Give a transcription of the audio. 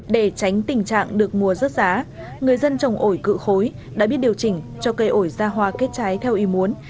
để tránh tình trạng được mùa rớt giá người dân trồng ổi cự khối đã biết điều chỉnh cho cây ổi ra hoa kết trái theo ý muốn